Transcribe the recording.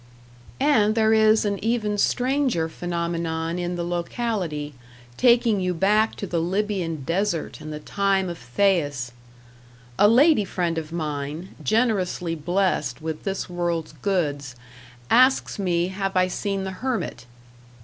And there is an even stranger phenomenon in the locality, taking you back to the Libyan desert and the time of Thais. A lady friend of mine, generously blessed with this world's goods, asks me have I seen the hermit.